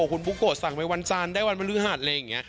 คุณบุ๊กโกสั่งไปวันจานได้วันบริหารอะไรอย่างนี้